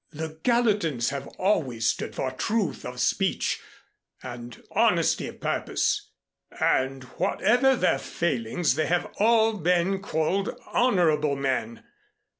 "The Gallatins have always stood for truth of speech and honesty of purpose, and whatever their failings they have all been called honorable men.